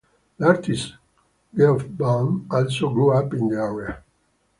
The artist Geoff Bunn also grew up in the area.